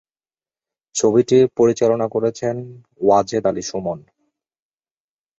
ছবিটি পরিচালনা করেছেন ওয়াজেদ আলী সুমন।